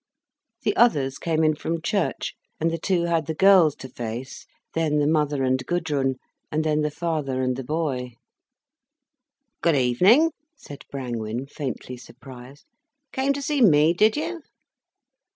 The others came in from church, and the two had the girls to face, then the mother and Gudrun, and then the father and the boy. "Good evening," said Brangwen, faintly surprised. "Came to see me, did you?"